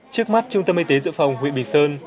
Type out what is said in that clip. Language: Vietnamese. trước mắt trung tâm y tế dự phòng huyện bình sơn